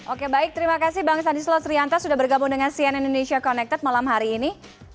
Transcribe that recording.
oke baik terima kasih bang sandi slos rianta sudah bergabung dengan cn indonesia connected malam hari ini